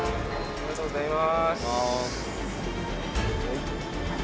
ありがとうございます。